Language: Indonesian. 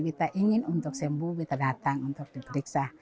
kita ingin untuk sembuh kita datang untuk diperiksa